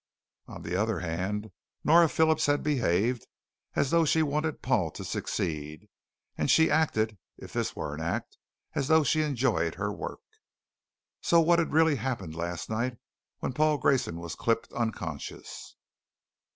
On the other hand, Nora Phillips had behaved as though she wanted Paul to succeed, and she acted if this were an act as though she enjoyed her work. So what had really happened last night when Paul Grayson was clipped unconscious?